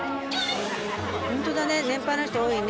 ホントだね年配の人多いね。